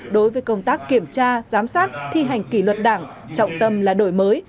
đối với công tác kiểm tra giám sát thi hành kỷ luật đảng trọng tâm là đổi mới